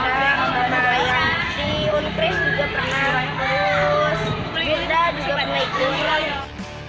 terus girda juga pernah ikut